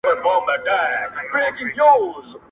شپه تر سهاره مي لېمه په الاهو زنګوم!